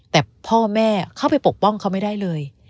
แต่พ่อแม่เข้าไปปกป้องเขาไม่ได้เลย